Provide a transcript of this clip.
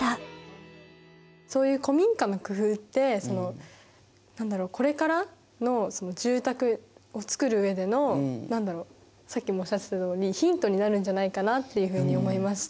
そういう古民家の工夫ってこれからの住宅を作る上でのさっきもおっしゃってたようにヒントになるんじゃないかなっていうふうに思いました。